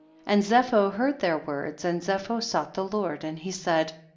2.S. And Zepho heard their words, and Zepho sought the Lord and he said.